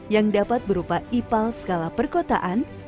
yang dapat berupa ipal skala perkotaan